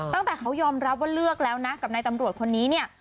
ตั้งแต่เขายอมรับว่าเลือกแล้วนะกับนายตำรวจคนนี้เนี่ย